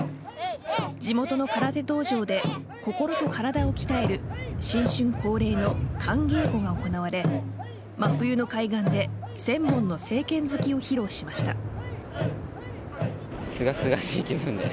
地元の空手道場で心と体を鍛える新春恒例の寒稽古が行われ真冬の海岸で１０００本の正拳突きを披露しました。